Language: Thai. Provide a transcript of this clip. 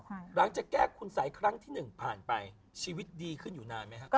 หลังจากแก้คุณสัยครั้งที่หนึ่งผ่านไปชีวิตดีขึ้นอยู่นานไหมครับ